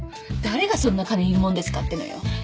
誰がそんな金いるもんですかってのよ